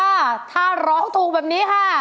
ถ้าร้องถูกแบบนี้ค่ะ